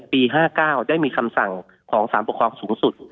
ปี๕๙ได้มีคำสั่งของสารปกครองสูงสุด